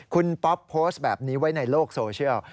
คุณป๊อปโพสต์แบบนี้ไว้ในโลกโซเชียล